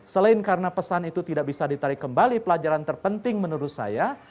selain karena pesan itu tidak bisa ditarik kembali pelajaran terpenting menurut saya